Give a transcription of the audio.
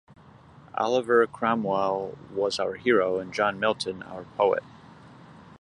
Oliver Cromwell was our hero and John Milton our poet.